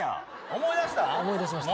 思い出しました。